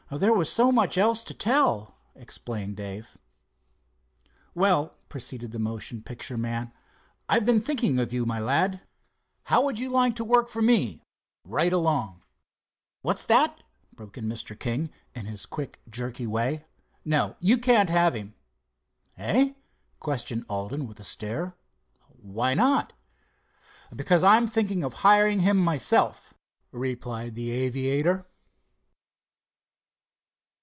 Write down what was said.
"There was so much else to tell," explained Dave. "Well," proceeded the motion picture man, "I've been thinking of you, my lad. How would you like to work for me right along?" "What's that?" broke in Mr. King, in his quick, jerky way. "No, you can't have him." "Eh?" questioned Alden, with a stare, "why not?" "Because I'm thinking of hiring him myself," replied the aviator.